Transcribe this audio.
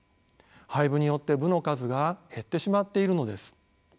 廃部によって部の数が減ってしまっているのです。